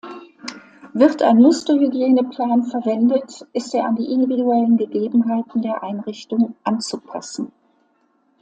Wird ein Muster-Hygieneplan verwendet, ist er an die individuellen Gegebenheiten der Einrichtung anzupassen.